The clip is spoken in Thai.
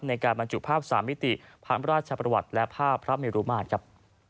ในการบรรจุภาพ๓มิติพระราชประวัติและภาพพระเมรุมาตรครับ